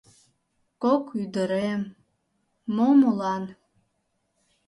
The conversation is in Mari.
Кок ӱдырем... мо молан...